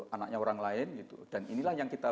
anaknya orang lain dan inilah yang kita